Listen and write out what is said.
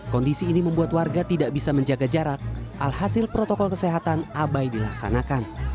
kondisi ini membuat warga tidak bisa menjaga jarak alhasil protokol kesehatan abai dilaksanakan